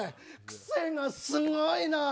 クセがすごいな！